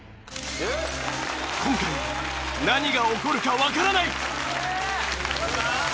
今回何が起こるかわからない！